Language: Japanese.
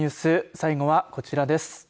最後はこちらです。